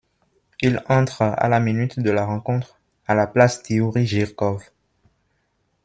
Il entre à la minute de la rencontre, à la place d'Iouri Jirkov.